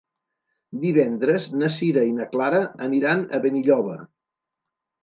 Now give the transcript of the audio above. Divendres na Sira i na Clara aniran a Benilloba.